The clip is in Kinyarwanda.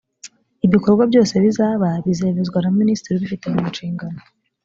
ibikorwa byose bizaba bizemezwa na minisitiri ubifite munshingano